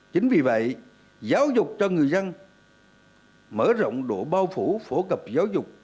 chính vì vậy giáo dục cho người dân mở rộng độ bao phủ phổ cập giáo dục